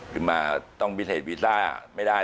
ถึงมาต้องปิดเหตุวิซ่าไม่ได้